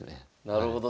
なるほど。